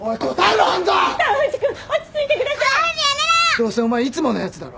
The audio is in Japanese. どうせお前いつものやつだろ？